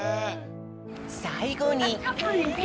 さいごに。